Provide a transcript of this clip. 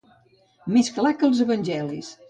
Més clar que els evangelis.